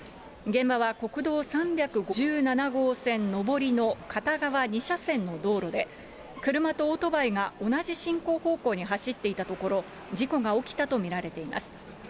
現場は国道３５７号線上りの片側２車線の道路で、車とオートバイが同じ進行方向に走っていたところ、事故が起きたと見られています。